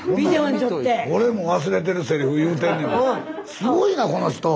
すごいなこの人。